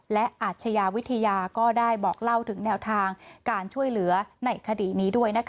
และอาชญาวิทยาก็ได้บอกเล่าถึงแนวทางการช่วยเหลือในคดีนี้ด้วย